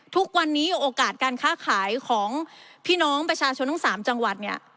ทุกวันนี้โอกาสการค้าขายของพี่น้องประชาชนทั้ง๓จังหวัดเนี่ย